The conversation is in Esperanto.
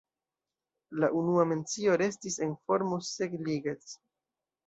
La unua mencio restis en formo "Zeg-Ligeth".